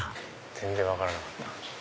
全然分からなかった。